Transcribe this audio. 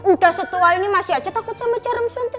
udah setua ini masih aja takut sama jarum suntik